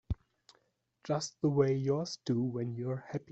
Just the way yours do when you're happy.